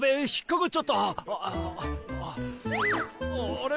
あれ？